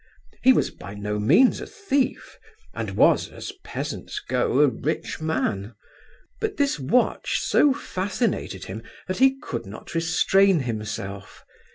He was by no means a thief, and was, as peasants go, a rich man; but this watch so fascinated him that he could not restrain himself.